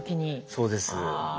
そうです。